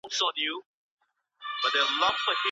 ولي مدام هڅاند د با استعداده کس په پرتله خنډونه ماتوي؟